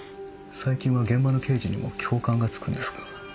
最近は現場の刑事にも教官がつくんですか。